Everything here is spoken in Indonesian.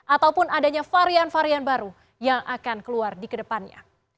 ataupun adanya varian varian baru yang akan keluar di kedepannya